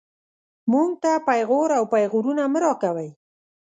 موږ ته پېغور او پېغورونه مه راکوئ